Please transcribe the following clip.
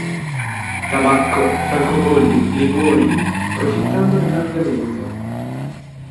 Tabacco, francobolli, liquori, profittandone largamente.